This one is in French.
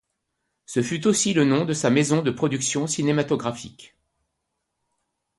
Ce fut aussi le nom de sa maison de production cinématographique.